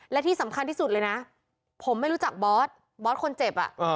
และที่สำคัญที่สุดเลยนะผมไม่รู้จักบอสบอสคนเจ็บ